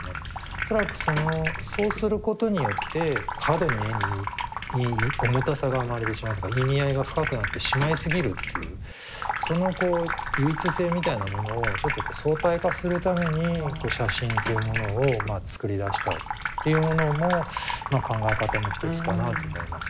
恐らくそうすることによって過度に絵に重たさが生まれてしまうというか意味合いが深くなってしまいすぎるっていうそのこう唯一性みたいなものをちょっとこう相対化するために写真っていうものをまあ作り出したっていうものもまあ考え方の一つかなと思います。